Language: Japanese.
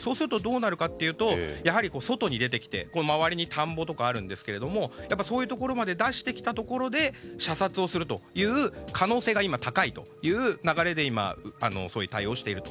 そうすると、外に出てきて周りに田んぼとかあるんですけどそういうところまで出してきたところで射殺をするという可能性が今高いという流れで今、そういう対応をしていると。